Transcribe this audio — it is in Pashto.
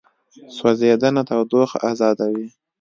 سوځېدنه تودوخه ازادوي.